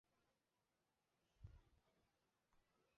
还有各种更复杂的独立工具。